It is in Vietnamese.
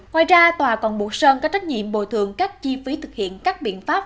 ngoài ra tòa còn bụt sơn có trách nhiệm bồi thường các chi phí thực hiện các biện pháp